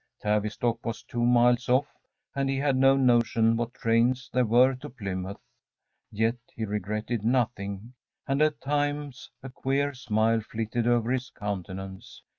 Tavistock was two miles off, and he had no notion what trains there were to Plymouth. Yet he regretted nothing, and at times a queer smile flitted over his countenance.